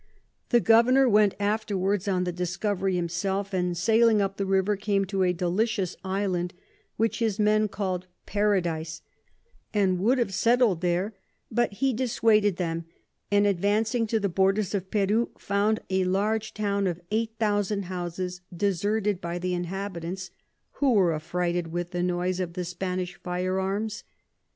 The Governour went afterwards on the Discovery himself, and sailing up the River, came to a delicious Island, which his Men call'd Paradise, and would have settled there, but he dissuaded them, and advancing to the Borders of Peru, found a large Town of 8000 Houses deserted by the Inhabitants, who were affrighted with the noise of the Spanish Fire Arms.